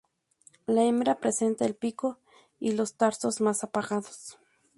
La hembra presenta el pico y los tarsos más apagados.